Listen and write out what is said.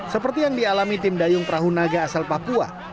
seperti yang dialami tim dayung praunaga asal papua